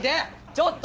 ちょっと！